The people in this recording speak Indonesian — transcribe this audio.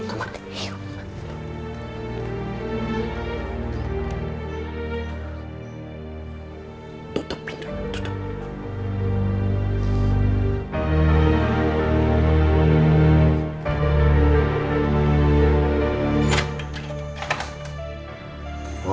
tutup pintunya tutup